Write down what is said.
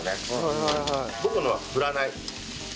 僕のは振らない。